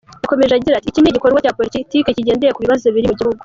Yakomeje agira ati ‘‘Iki ni igikorwa cya politiki kigendeye ku bibazo biri mu gihugu.